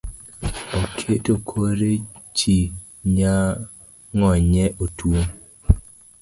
Oketo kore chi nyangonye otuo